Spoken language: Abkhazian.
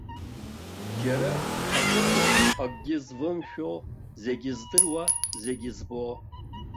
Џьара акыҟоуп акгьы звымшәо, зегьы здыруа, зегьы збо.